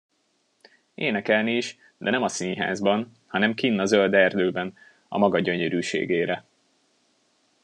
Énekelni is, de nem a színházban, hanem kinn a zöld erdőben, a maga gyönyörűségére.